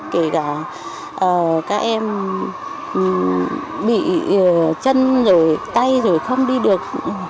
các em bị chân tay không đi được